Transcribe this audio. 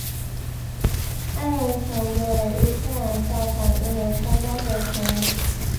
阿联酋的伊斯兰教法拥有相当的权力。